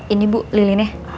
ini bu lilinnya